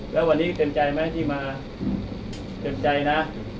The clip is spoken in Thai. แล้ววันนี้เต็มใจไหมที่มาเต็มใจนะ